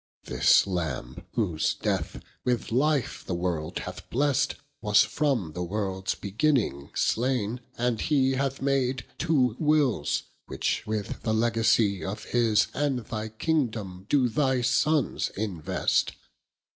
This Lambe, whose death, with life the world hath blest, Was from the worlds beginning slaine, and he Hath made two Wills, which with the Legacie Of his and thy kingdome, doe thy Sonnes invest.